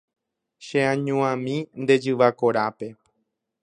Cheañuãmi nde jyva korápe.